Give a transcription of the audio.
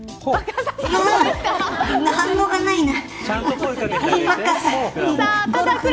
反応がないな。